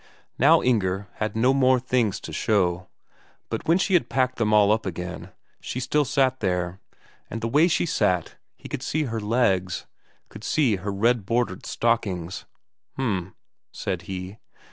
Now Inger had no more things to show. But when she had packed them all up again, she sat there still; and the way she sat, he could see her legs, could see her red bordered stockings. "H'm," said he.